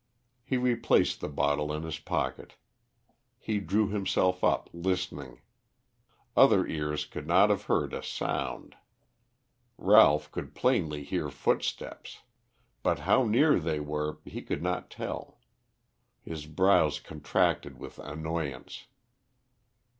He replaced the bottle in his pocket. He drew himself up listening. Other ears could not have heard a sound. Ralph could plainly hear footsteps. But how near they were he could not tell. His brows contracted with annoyance.